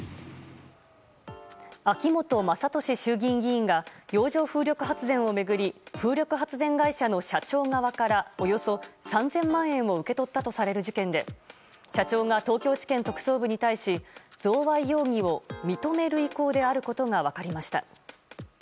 秋本真利衆議院議員が洋上風力発電を巡り風力発電会社の社長側からおよそ３０００万円を受け取ったとされる事件で社長が東京地検特捜部に対し贈賄容疑を認める意向であることが分かりました。